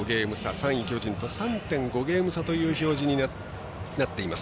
３位巨人と３．５ゲーム差という表示になっています。